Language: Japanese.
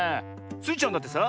スイちゃんだってさ